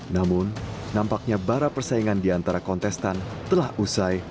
namun nampaknya bara persaingan di antara kontestan telah usai